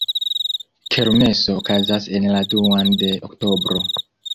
Kermeso okazas en la duan de oktobro.